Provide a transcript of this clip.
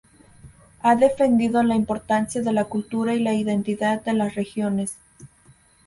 Ha defendido la importancia de la cultura y la identidad de las regiones.